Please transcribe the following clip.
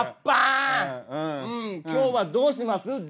今日はどうします？